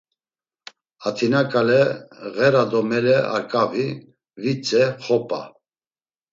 Atina ǩale, Ğera do mele Arkabi, Vitze, Xopa,